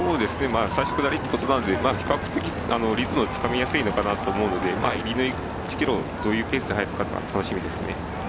最初、下りということで比較的、リズムをつかみやすいのかなと思うので入りの１ｋｍ、どういうペースで走るのか楽しみですね。